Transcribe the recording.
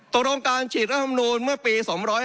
ตกลงการฉีกรัฐธรรมนุนเมื่อปี๒๕๗